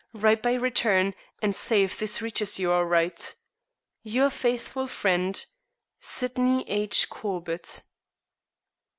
Write by return, and say if this reaches you all right. "Your faithful friend, "SYDNEY H. CORBETT."